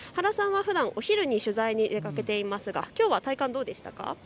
原さんは、ふだんお昼に取材に出かけていますがきょうは体感、どうでしたか。